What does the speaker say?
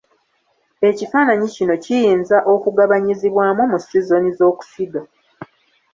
Ekifaananyi kino kiyinza okugabanyizibwamu mu sizoni z’okusiga.